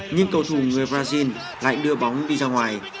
nhưng cầu thủ người brazil lại đưa bóng đi ra ngoài